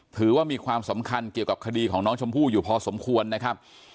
ถือว่ามีความสำคัญเกี่ยวกับคดีของน้องชมพู่อยู่พอสมควรนะครับ